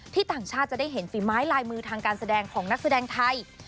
ต่างชาติจะได้เห็นฝีไม้ลายมือทางการแสดงของนักแสดงไทย